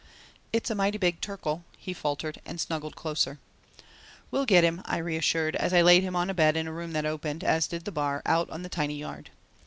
"It's a mighty big turkle," he faltered and snuggled closer. "We'll get him," I reassured, as I laid him on a bed in a room that opened, as did the bar, out on the tiny yard.